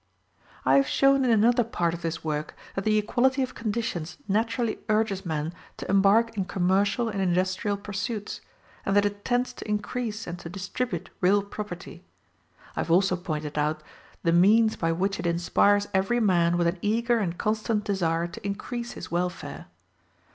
I have shown in another part of this work that the equality of conditions naturally urges men to embark in commercial and industrial pursuits, and that it tends to increase and to distribute real property: I have also pointed out the means by which it inspires every man with an eager and constant desire to increase his welfare.